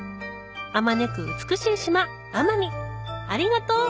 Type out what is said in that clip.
あまねく美しい島奄美ありがとう！